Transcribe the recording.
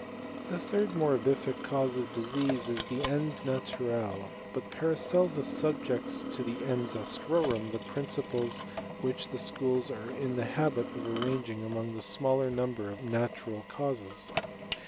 The third morbific cause of disease is the ens na turale ; but Paracelsus subjects to the ens astrorum the principles which the schools are in the habit of ar ranging among the number of natural causes.